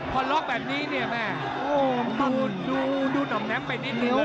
พอล็อกแบบนี้เนี้ยแม่งโอ้โหดูดูดอ๋อแม่งไปนิดหนึ่งเลย